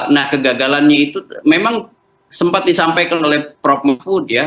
nah kegagalannya itu memang sempat disampaikan oleh prof mahfud ya